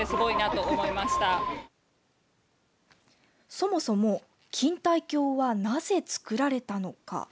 そもそも錦帯橋はなぜ造られたのか。